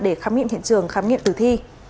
để khám nghiệm hiện trường khám nghiệm tử thi